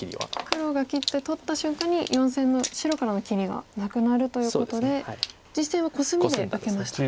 黒が切って取った瞬間に４線の白からの切りがなくなるということで実戦はコスミで受けました。